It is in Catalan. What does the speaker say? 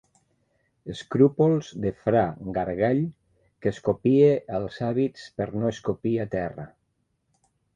Escrúpols de fra Gargall que escopia als hàbits per no escopir a terra.